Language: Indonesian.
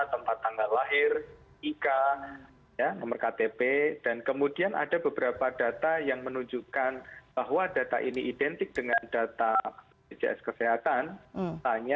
tempat tanggal lahir ika nomor ktp dan kemudian ada beberapa data yang menunjukkan bahwa data ini identik dengan data bpjs kesehatan